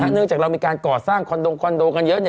เนื่องจากเรามีการก่อสร้างคอนโดคอนโดกันเยอะ